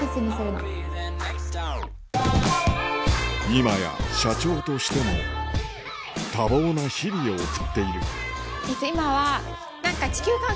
今や社長としても多忙な日々を送っている今は。